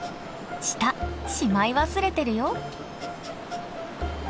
舌しまい忘れてるよ。